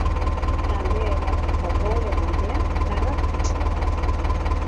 Bi taldeen arteko golen aldea garrantzitsua da.